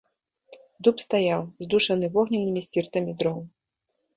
Дуб стаяў, здушаны вогненнымі сціртамі дроў.